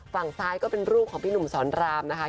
ฝั่งซ้ายก็เป็นรูปของพี่หนุ่มสอนรามนะคะ